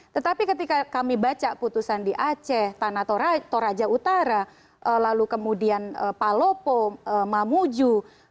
tetapi ketika kami baca putusan di aceh tanatora toraja utara lalu kemudian palopo mamuju